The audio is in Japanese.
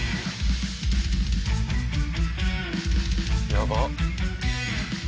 「やばっ！」